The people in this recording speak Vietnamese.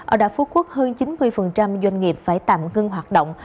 ở đảo phú quốc hơn chín mươi doanh nghiệp phải tạm ngưng hoạt động